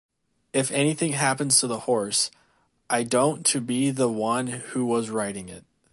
If anything happens to the horse, I don’t to be the one who was riding it.